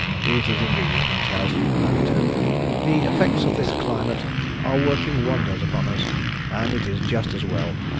"It is indeed, Munchausen," I returned. "The effects of this climate are working wonders upon us. And it is just as well.